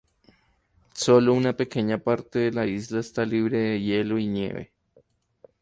Solo una pequeña parte de la isla está libre de hielo y nieve.